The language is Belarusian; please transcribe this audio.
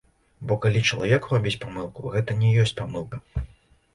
Бо калі чалавек робіць памылку, гэта не ёсць памылка.